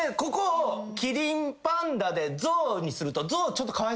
キリンパンダでゾウにすると。